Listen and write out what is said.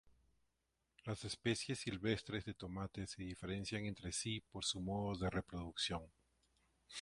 Las especies silvestres de tomate se diferencian entre sí por su modo de reproducción.